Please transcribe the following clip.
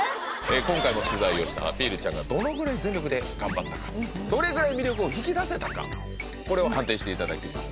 今回も取材をしたアピールちゃんがどのぐらい全力で頑張ったかどれぐらい魅力を引き出せたかこれを判定していただきます